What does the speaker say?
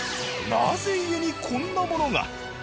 なぜ家にこんなものが？